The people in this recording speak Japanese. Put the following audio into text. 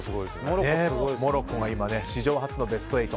モロッコが今、史上初のベスト８。